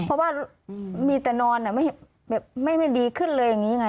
เพราะว่ามีแต่นอนไม่ดีขึ้นเลยอย่างนี้ไง